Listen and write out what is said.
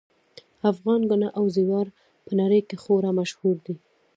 افغان ګاڼه او زیور په نړۍ کې خورا مشهور دي